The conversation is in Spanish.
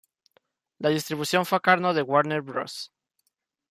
La distribución fue a cargo de Warner Bros.